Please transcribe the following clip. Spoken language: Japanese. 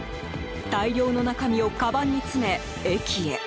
大量の中身をかばんに詰め、駅へ。